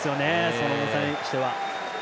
その重さにしては。